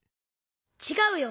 ちがうよ！